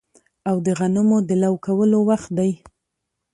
او د غنمو د لو کولو وخت دی